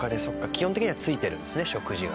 基本的には付いてるんですね食事が。